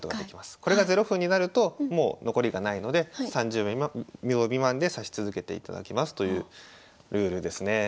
これが０分になるともう残りがないので３０秒未満で指し続けていただきますというルールですね。